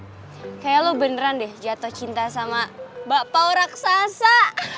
kayaknya lu beneran deh jatuh cinta sama bapak raksasa